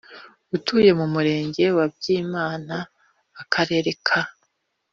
Utuye mu murenge wa byimana akarere ka